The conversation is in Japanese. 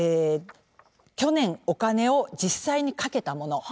去年お金を実際にかけたもの。